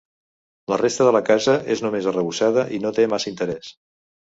La resta de la casa és només arrebossada i no té massa interès.